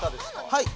はい。